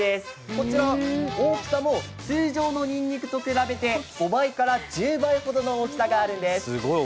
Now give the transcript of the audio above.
こちら、大きさも通常のにんにくと比べて５倍から１０倍ほどの大きさがあるんです。